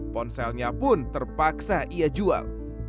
ponselnya pun terpaksa ia jual